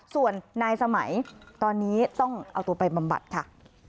ส่วนนายสมัยตอนนี้ต้องเอาตัวไปบำบัดค่ะ